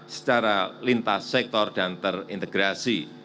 secara lintas sektor dan terintegrasi